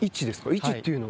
位置というのは。